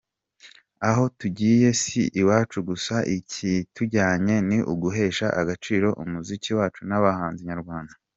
Aho tugiye si iwacu, gusa ikitujyanye ni uguhesha agaciro umuziki wacu n’abahanzi nyarwanda”.